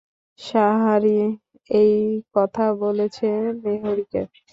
সাহারি এই কথা বলেছে মেহরিকে।